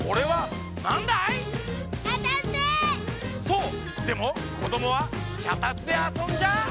そうでもこどもはきゃたつであそんじゃ。